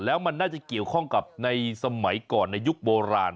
แล้วมันน่าจะเกี่ยวข้องกับในสมัยก่อนในยุคโบราณ